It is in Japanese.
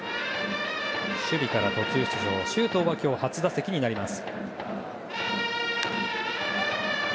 守備から途中出場の周東は今日、初打席になります。